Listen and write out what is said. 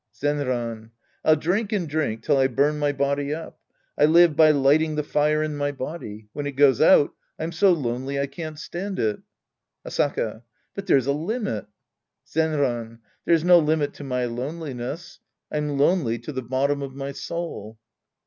Zenran. I'll drink and drink till I burn my body up. I live by lighting the fire in my body. When it goes out, I'm so lonely I can't stand it. Asaka. But there's a limit. Zenran. There's no limit to my loneliness. I'm lonely to the bottom of my soul.